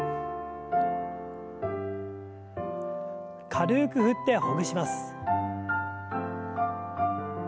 軽く振ってほぐします。